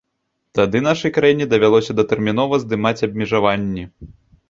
Тады нашай краіне давялося датэрмінова здымаць абмежаванні.